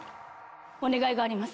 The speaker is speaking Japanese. お願いがあります